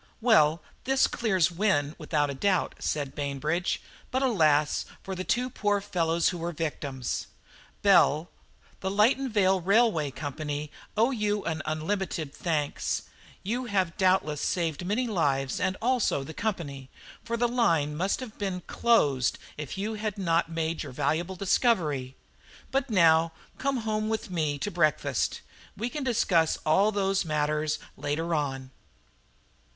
"Well, this clears Wynne, without doubt," said Bainbridge; "but alas! for the two poor fellows who were victims. Bell, the Lytton Vale Railway Company owe you unlimited thanks; you have doubtless saved many lives, and also the Company, for the line must have been closed if you had not made your valuable discovery. But now come home with me to breakfast. We can discuss all those matters later on."